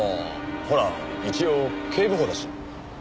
ほら一応警部補だし。